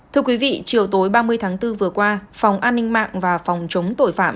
thưa quý vị chiều tối ba mươi tháng bốn vừa qua phòng an ninh mạng và phòng chống tội phạm